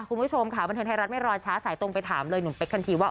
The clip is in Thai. คุณผู้ชมค่ะบันเทิงไทยรัฐไม่รอช้าสายตรงไปถามเลยหนุ่มเป๊กทันทีว่า